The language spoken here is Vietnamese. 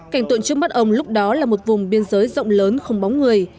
cảnh tượng trước mắt ông lúc đó là một vùng biên giới rộng lớn không bóng người